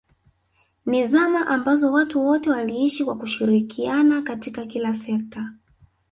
ni zama ambazo watu wote waliishi kwa kushirikiana katika kila sekta